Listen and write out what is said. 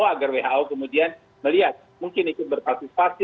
agar who kemudian melihat mungkin ikut berpartisipasi